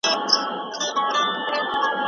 «امنیت»